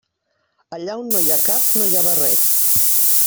Allà on no hi ha cap no hi ha barret.